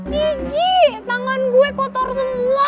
gigi tangan gue kotor semua